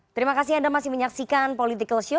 terima kasih anda masih menyaksikan political show